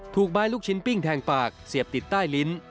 ถูกไม้ลูกชิ้นปิ้งแทงปากเสียบติดใต้ลิ้น